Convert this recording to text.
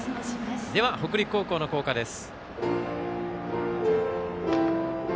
では、北陸高校の校歌です。